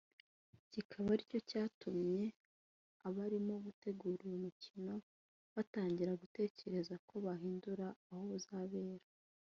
kikaba ari cyo cyatumye abarimo gutegura uyu mukino batangira gutekereza ko bahindura aho uzabera